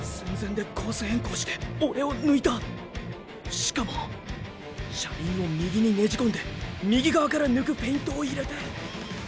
しかも車輪を右にねじこんで右側から抜くフェイントを入れて！！